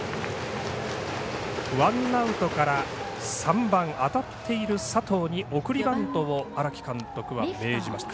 ワンアウトから３番当たっている佐藤に送りバントを荒木監督は命じました。